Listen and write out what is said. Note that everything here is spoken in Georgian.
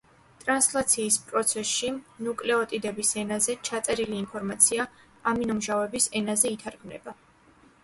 ტრანსლაციის პროცესში „ნუკლეოტიდების ენაზე“ ჩაწერილი ინფორმაცია „ამინომჟავების ენაზე“ ითარგმნება.